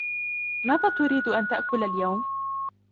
ماذا تريد أن تأكل اليوم ؟